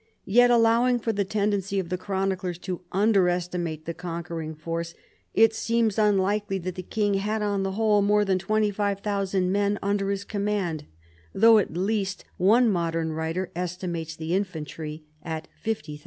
Yet allowing for the tendency of the chroniclers to under estimate the conquering force, it seems unlikely that the king had on the whole more than 25,000 men under his command, though at least one modern writer estimates the infantry at 50,000.